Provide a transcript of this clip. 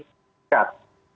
kita harus mengikat